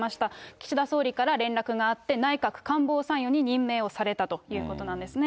岸田総理から連絡があって、内閣官房参与に任命をされたということなんですね。